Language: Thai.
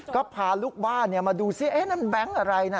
ก็พาลูกว่าเนี่ยมาดูซิเอ๊ะนั่นแบงค์อะไรนะ